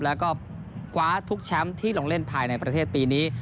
แล้วก็คว้าทุกแชมป์ที่ลงเล่นภายในประเทศปีนี้